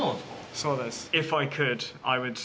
そうです。